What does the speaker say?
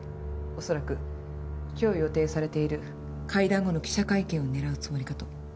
恐らく今日予定されている会談後の記者会見を狙うつもりかと。